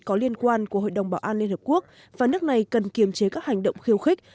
có liên quan của hội đồng bảo an liên hợp quốc và nước này cần kiềm chế các hành động khiêu khích